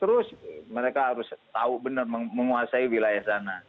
terus mereka harus tahu benar menguasai wilayah sana